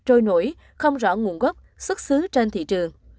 trôi nổi không rõ nguồn gốc xuất xứ trên thị trường